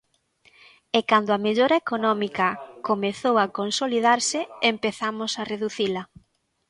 E cando a mellora económica comezou a consolidarse empezamos a reducila.